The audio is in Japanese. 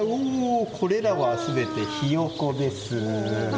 これらは、全てヒヨコです。